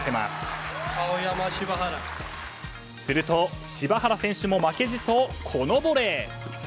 すると柴原選手も負けじとこのボレー。